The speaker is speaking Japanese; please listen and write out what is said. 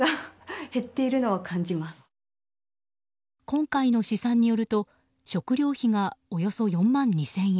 今回の試算によると食料費がおよそ４万２０００円。